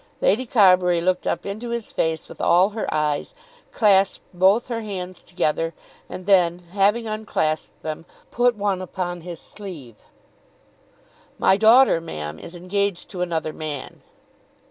Lady Carbury looked up into his face with all her eyes; clasped both her hands together; and then, having unclasped them, put one upon his sleeve. "My daughter, ma'am, is engaged to another man."